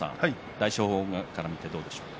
大翔鵬側から見てどうでしょうか。